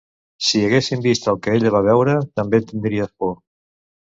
Si haguéssim vist el que ella va veure també tindries por